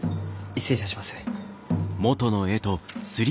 失礼いたします。